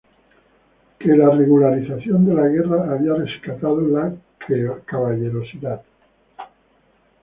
Que la regularización de la guerra había rescatado la caballerosidad!.